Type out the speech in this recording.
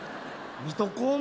水戸黄門？